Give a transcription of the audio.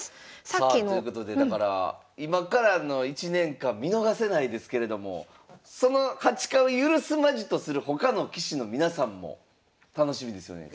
さあということでだから今からの１年間見逃せないですけれどもその８冠を許すまじとする他の棋士の皆さんも楽しみですよね。